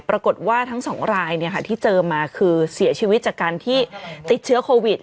ปรากฏว่าทั้งสองรายที่เจอมาคือเสียชีวิตจากการที่ติดเชื้อโควิด